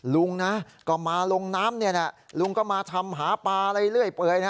ลุงนะก็มาลงน้ำเนี่ยนะลุงก็มาทำหาปลาอะไรเรื่อยเปย